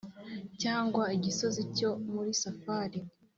cyangwa igisosi cyo muri safari